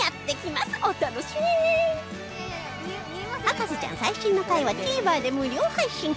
『博士ちゃん』最新の回は ＴＶｅｒ で無料配信